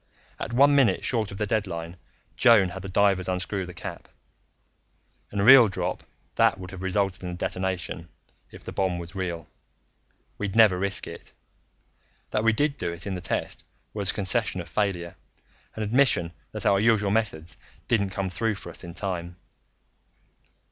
"At one minute short of the deadline, Joan had the divers unscrew the cap. In a real drop that would have resulted in a detonation, if the bomb was real; we'd never risk it. That we did do it in the test was a concession of failure an admission that our usual methods didn't come through for us in time.